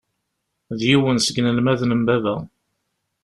D yiwen seg inelmaden n baba.